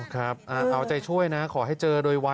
ครับเอาใจช่วยนะขอให้เจอโดยไว